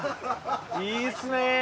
いいっすね。